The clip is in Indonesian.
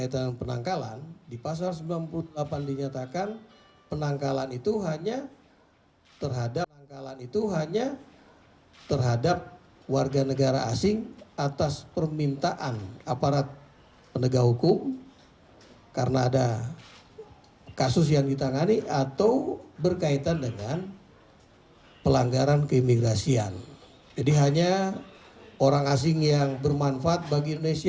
yang ditangkal atau yang ditolak berdasarkan pasal sembilan puluh delapan undang undang nomor enam tahun dua ribu sebelas